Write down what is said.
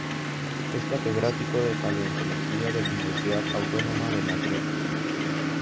Es catedrático de Paleontología de la Universidad Autónoma de Madrid.